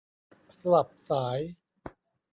สลับสาย